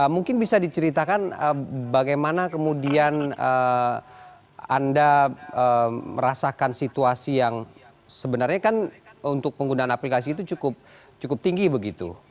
mungkin bisa diceritakan bagaimana kemudian anda merasakan situasi yang sebenarnya kan untuk penggunaan aplikasi itu cukup tinggi begitu